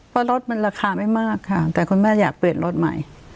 เพราะรถมันราคาไม่มากค่ะแต่คุณแม่อยากเปลี่ยนรถใหม่